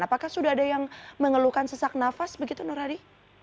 apakah sudah ada yang mengeluhkan sesak nafas begitu nur hadi